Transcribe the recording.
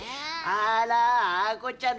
あら亜子ちゃん